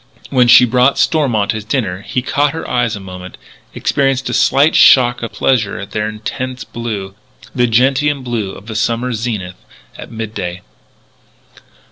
When she brought Stormont his dinner he caught her eyes a moment experienced a slight shock of pleasure at their intense blue the gentian blue of the summer zenith at midday.